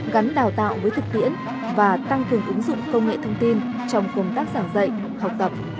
gắn đào tạo với thực tiễn và tăng cường ứng dụng công nghệ thông tin trong công tác giảng dạy học tập